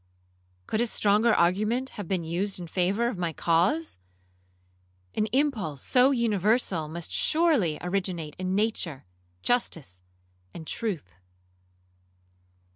Could a stronger argument have been used in favour of my cause? An impulse so universal must surely originate in nature, justice, and truth.'